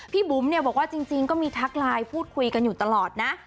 บุ๋มเนี่ยบอกว่าจริงก็มีทักไลน์พูดคุยกันอยู่ตลอดนะ